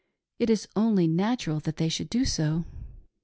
It is only natural that they should do so.